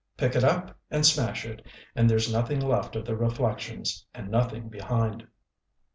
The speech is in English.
Pick it up and smash it, and there's nothing left of the reflections, and nothing behind.